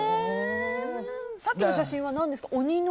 さっきの写真は何ですか？